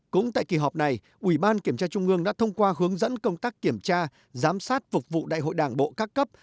cũng tại kỳ họp này ủy ban kiểm tra trung ương đã thông qua hướng dẫn công tác kiểm tra giám sát phục vụ đại hội đảng bộ các cấp